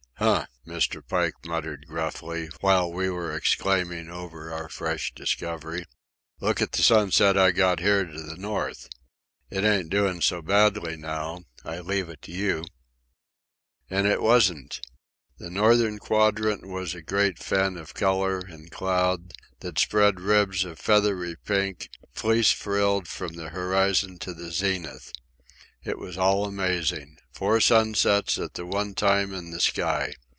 "Huh!" Mr. Pike muttered gruffly, while we were exclaiming over our fresh discovery. "Look at the sunset I got here to the north. It ain't doing so badly now, I leave it to you." And it wasn't. The northern quadrant was a great fen of colour and cloud, that spread ribs of feathery pink, fleece frilled, from the horizon to the zenith. It was all amazing. Four sunsets at the one time in the sky!